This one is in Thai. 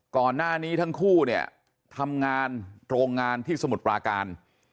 ก่อนหน้านี้ทั้งคู่เนี่ยทำงานโรงงานที่สมุทรปราการ